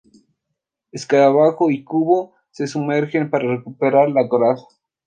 Escarabajo y Kubo se sumergen para recuperar la Coraza.